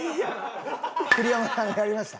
栗山さんがやりました。